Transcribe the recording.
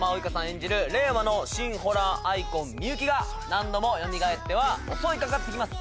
演じる令和の新ホラーアイコン美雪が何度もよみがえっては襲いかかってきます